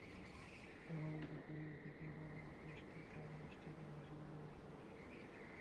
বরং দুপুরের দিকের প্রবল বৃষ্টিটাই ম্যাচটিকে ভাসিয়ে নিয়ে যায় রিজার্ভ ডেতে।